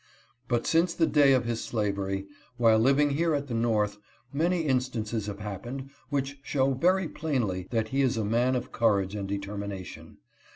But since the day of his slavery, while living here at the North, many instances have happened which show very plainly that he is a man of courage and determination.